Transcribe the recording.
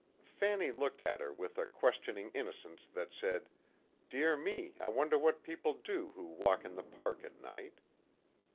Fanny looked at her with a questioning innocence that said, "Dear me, I wonder what people do who walk in the park at night?"